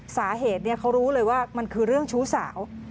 สาเหตุเขารู้เลยว่ามันคือเรื่องชู้สาว